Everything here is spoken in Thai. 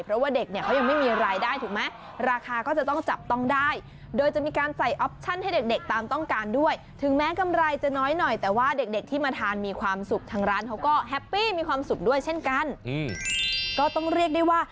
เพราะว่าเด็กเขายังไม่มีรายได้ถูกไหม